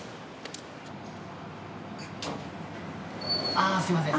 ああすみません。